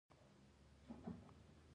عیسوي لرغونپېژندونکو دلته یوه کتیبه وموندله.